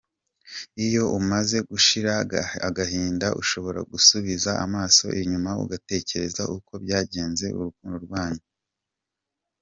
Iyo umaze gushira agahinda, ushobora gusubiza amaso inyuma ugatekereza uko byagenze mu rukundo rwanyu.